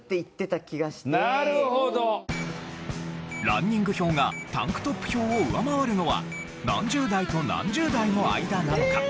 ランニング票がタンクトップ票を上回るのは何十代と何十代の間なのか？